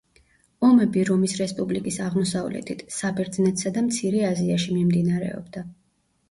ომები რომის რესპუბლიკის აღმოსავლეთით, საბერძნეთსა და მცირე აზიაში მიმდინარეობდა.